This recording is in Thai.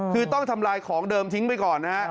คือต้องทำลายของเดิมทิ้งไปก่อนนะฮะ